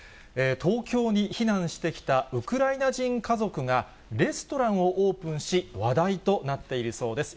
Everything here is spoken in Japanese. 東京に避難してきたウクライナ人家族が、レストランをオープンし、話題となっているそうです。